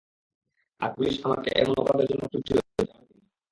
আর police আমাকে এমন অপরাধের জন্য খুঁজছিল যা আমি করিনি।